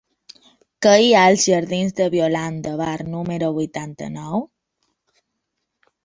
Què hi ha als jardins de Violant de Bar número vuitanta-nou?